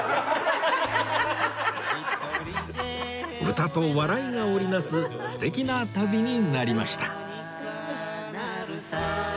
歌と笑いが織り成す素敵な旅になりました